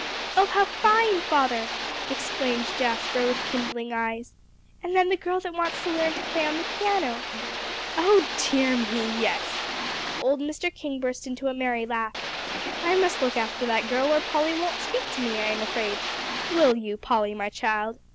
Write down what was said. "Oh, how fine, father!" exclaimed Jasper with kindling eyes. "And then the girl that wants to learn to play on the piano." "Oh dear me, yes!" Old Mr. King burst into a merry laugh. "I must look after that little girl, or Polly won't speak to me, I am afraid. Will you, Polly, my child?"